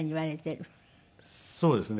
そうですね。